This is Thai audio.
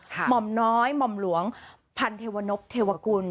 หม่อมน้อยหม่อมหลวงพันเทวนพเทวกุล